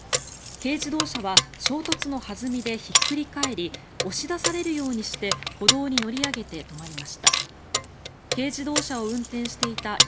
軽自動車は衝突の弾みでひっくり返り押し出されるようにして歩道に乗り上げて止まりました。